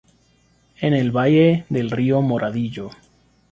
En el valle del río Moradillo.